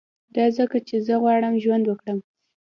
دا ځکه چي زه غواړم ژوند وکړم